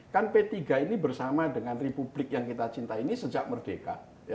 kan p tiga ini bersama dengan republik yang kita cintai ini sejak merdeka